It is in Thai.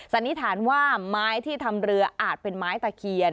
สันนิษฐานว่าไม้ที่ทำเรืออาจเป็นไม้ตะเคียน